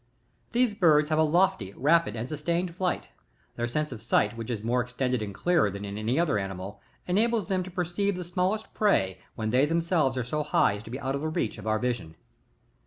These birds have a lofty, rapid, and sustained flight ; their sense of sight, which is more extended and clearer than in any other animal, enables them to perceive the smallest prey, when they themselves are so high as to be out of the reach of our vision.